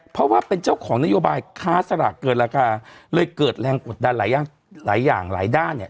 เพราะว่าเป็นเจ้าของนโยบายค้าสลากเกินราคาเลยเกิดแรงกดดันหลายอย่างหลายอย่างหลายด้านเนี่ย